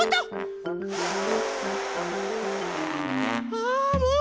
あもう！